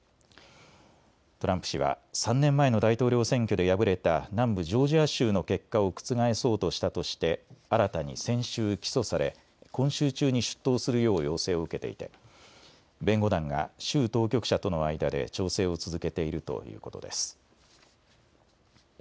トランプ氏は３年前の大統領選挙で敗れた南部ジョージア州の結果を覆そうとしたとして新たに先週、起訴され今週中に出頭するよう要請を受けていて弁護団が州当局者との間で調整を続けているということです。